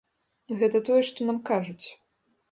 Гэта тое, што нам кажуць.